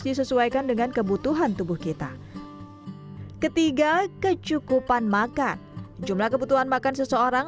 disesuaikan dengan kebutuhan tubuh kita ketiga kecukupan makan jumlah kebutuhan makan seseorang